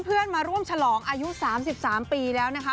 เพื่อนมาร่วมฉลองอายุ๓๓ปีแล้วนะคะ